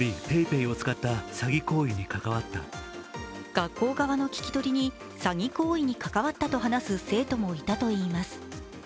学校側の聞き取りに詐欺行為に関わったと話す生徒もいたといいます。